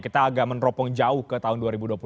kita agak meneropong jauh ke tahun dua ribu dua puluh satu